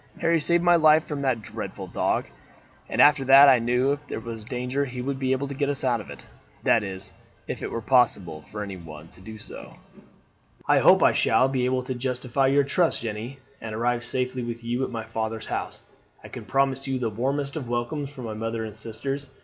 "Harry saved my life from that dreadful dog, and after that I knew if there was danger he would be able to get us out of it. That is, if it were possible for anyone to do so." "I hope I shall be able to justify your trust, Jeanne, and arrive safely with you at my father's house. I can promise you the warmest of welcomes from my mother and sisters.